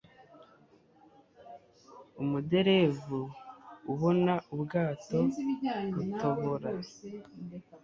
umuderevu ubona ubwato butobora